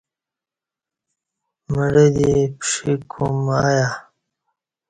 مڑہ دی پݜیک کوم اہ یہ